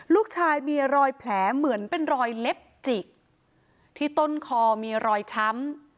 ลูกชายมีรอยแผลเหมือนเป็นรอยเล็บจิกที่ต้นคอมีรอยช้ำ